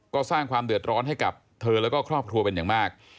ก็สร้างความเดือดร้อนให้กับเธอแล้วก็ครอบครัวเป็นอย่างมาก